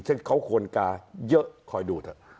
ซึ่งเขาคนกายุ่ะคอยดูเถอะ